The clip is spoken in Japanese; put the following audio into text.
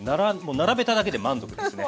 並べただけで満足ですね。